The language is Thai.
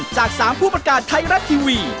จาก๓ผู้ประกาศไทยรัฐทีวี